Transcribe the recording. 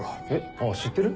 あっ知ってる？